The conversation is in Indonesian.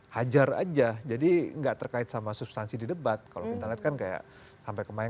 hajar aja jadi enggak terkait sama substansi di debat kalau kita lihat kan kayak sampai kemarin